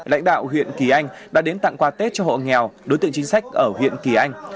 lãnh đạo huyện kỳ anh đã đến tặng quà tết cho hộ nghèo đối tượng chính sách ở huyện kỳ anh